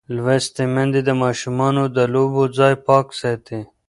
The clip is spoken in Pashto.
لوستې میندې د ماشومانو د لوبو ځای پاک ساتي.